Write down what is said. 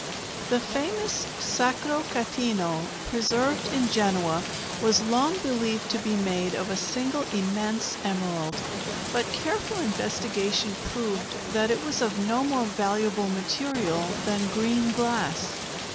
The famous "Sacro Catino" preserved in Genoa was long believed to be made of a single immense emerald, but careful investigation proved that it was of no more valuable material than green glass.